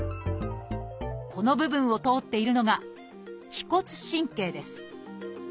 この部分を通っているのが「腓骨神経」です。